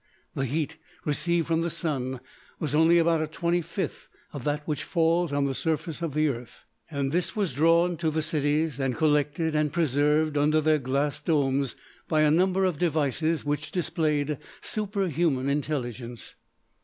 The heat received from the Sun was only about a twenty fifth of that which falls on the surface of the Earth, and this was drawn to the cities and collected and preserved under their glass domes by a number of devices which displayed superhuman intelligence.